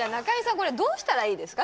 これどうしたらいいですか？